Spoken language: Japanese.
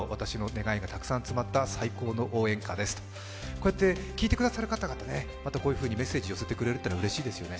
こうやって聴いてくださる方々がこうやってメッセージを寄せてくれるっていうのはうれしいですよね。